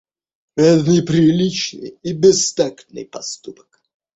Это неприличный и бестактный поступок.